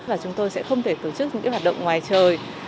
và chúng tôi sẽ không thể tổ chức những cái hoạt động ngoài